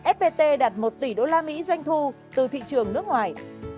tám fpt đặt một tỷ usd doanh thu từ thị trường nước ngoài